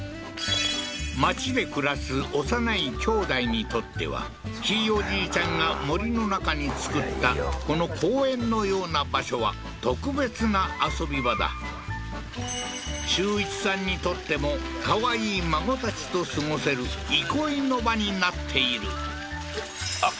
町で暮らす幼い姉弟にとってはひいおじいちゃんが森の中に造ったこの公園のような場所は特別な遊び場だ修一さんにとってもかわいい孫たちと過ごせる憩いの場になっているあっ